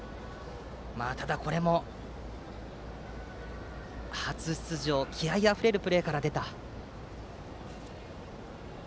ただ、これも初出場の気合いあふれるプレーから出たという。